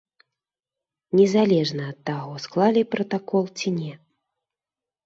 Незалежна ад таго, склалі пратакол ці не.